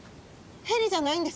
ヘリじゃないんですか？